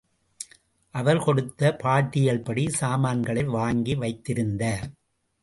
அவர் கொடுத்த பாட்டியல்படி சாமான்களை வாங்கி வைத்திருந்தார்.